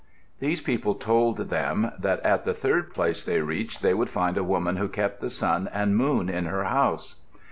These people told them that at the third place they reached they would find a woman who kept the sun and moon in her house.